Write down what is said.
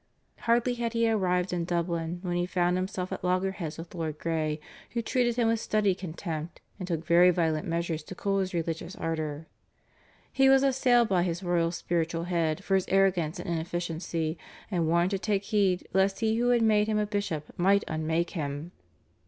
Hardly had he arrived in Dublin when he found himself at loggerheads with Lord Grey, who treated him with studied contempt and took very violent measures to cool his religious ardour. He was assailed by his royal spiritual head for his arrogance and inefficiency, and warned to take heed lest he who had made him a bishop might unmake him.